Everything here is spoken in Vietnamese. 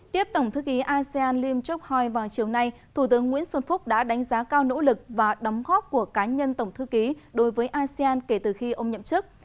tiếp tổng thư ký asean lim chok hoi vào chiều nay thủ tướng nguyễn xuân phúc đã đánh giá cao nỗ lực và đóng góp của cá nhân tổng thư ký đối với asean kể từ khi ông nhậm chức